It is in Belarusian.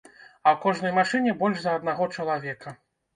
А ў кожнай машыне больш за аднаго чалавека!